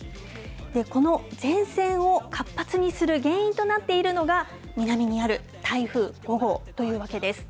この前線を活発にする原因となっているのが、南にある台風５号というわけです。